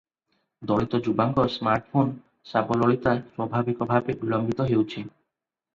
ଦଳିତ ଯୁବାଙ୍କ ସ୍ମାର୍ଟଫୋନ ସାବଲୀଳତା ସ୍ୱାଭାବିକ ଭାବେ ବିଳମ୍ବିତ ହେଉଛି ।